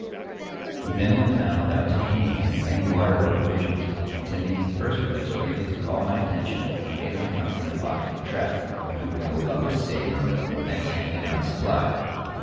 He then went down without taking with him any water or provisions, intending in the first place merely to call my attention, and get me to come from the box to the trap,—when he would go up to the stateroom and thence hand me down a supply.